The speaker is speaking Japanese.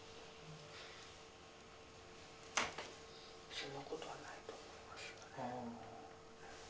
そんなことはないと思いますがね。